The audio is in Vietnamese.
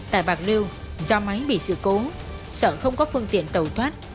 tại bạc lương do máy bị sự cố sợ không có phương tiện cầu thoát